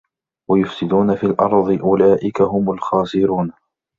وَيُفْسِدُونَ فِي الْأَرْضِ ۚ أُولَٰئِكَ هُمُ الْخَاسِرُونَ